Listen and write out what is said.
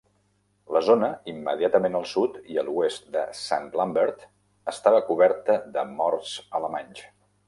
La zona immediatament al sud i a l'oest de St. Lambert estava coberta de morts alemanys.